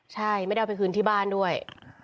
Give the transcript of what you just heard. ใช่ไม่ได้เอาไปคืนที่บ้านด้วย